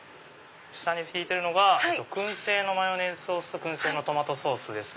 下に引いてるのが薫製のマヨネーズソースと薫製のトマトソースです。